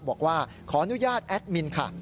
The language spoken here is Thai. บอกว่าขออนุญาตแอดมินค่ะ